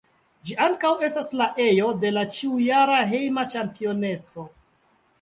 Ĝi ankaŭ estas la ejo de la ĉiujara hejma ĉampioneco.